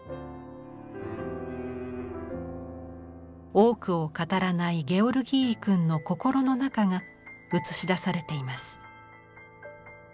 多くを語らないゲオルギーイ君の心の中が映し出されています。